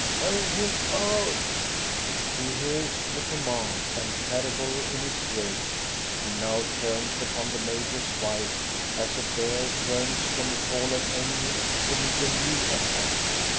" Turn him out !" He hears the command^ and, terrible in his rage^ he now turns upon the major's wife as a bear turns from a fallen enemy to meet a new attack.